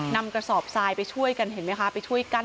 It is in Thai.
นำกระสอบทรายไปช่วยกันเห็นไหมคะไปช่วยกั้น